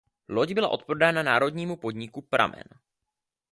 Loď byla odprodána národnímu podniku "Pramen".